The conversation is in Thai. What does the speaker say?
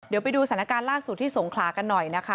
เดี๋ยวไปดูสถานการณ์ล่าสุดที่สงขลากันหน่อยนะคะ